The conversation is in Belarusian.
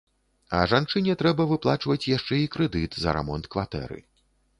А жанчыне трэба выплачваць яшчэ і крэдыт за рамонт кватэры.